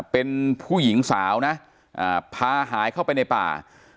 เป็นผู้หญิงสาวนะพาหายเข้าไปในป่า